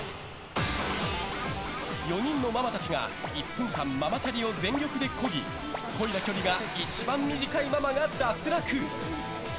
４人のママたちが１分間ママチャリを全力でこぎこいだ距離が一番短いママが脱落。